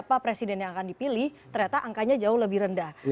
siapa presiden yang akan dipilih ternyata angkanya jauh lebih rendah